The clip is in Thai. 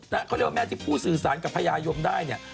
เขาเรียกว่าแม่ที่ผู้สื่อสารกับพญายมได้เนี่ย